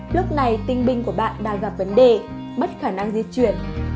lúc này tinh binh của bạn đang gặp vấn đề mất khả năng di chuyển